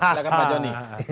silahkan pak joni